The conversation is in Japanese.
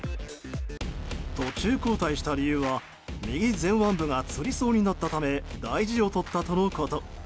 途中交代した理由は右前腕部がつりそうになったため大事をとったとのこと。